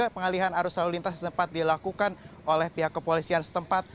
pengalihan arus lalu lintas sempat dilakukan oleh pihak kepolisian setempat